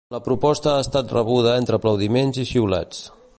La proposta ha estat rebuda entre aplaudiments i xiulets.